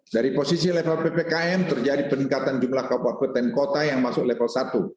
dari posisi level ppkm terjadi peningkatan jumlah kabupaten kota yang masuk level satu